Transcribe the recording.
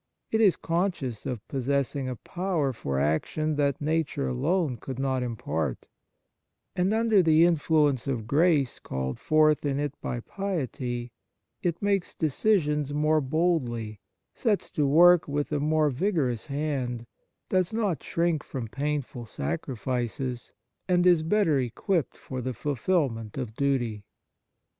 It is conscious of possess ing a power for action that nature alone could not impart ; and, under the influence of grace called forth in it by piety, it makes decisions more boldly, sets to work with a more vigorous hand, does not shrink from painful sacrifices, and is better equipped for the fulfilment of duty.